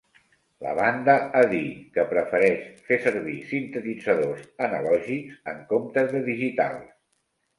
La banda ha dir que prefereix fer servir sintetitzadors analògics en comptes de digitals.